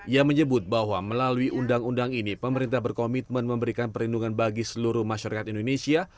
ia menyebut bahwa melalui undang undang ini pemerintah berkomitmen memberikan perlindungan bagi seluruh masyarakat indonesia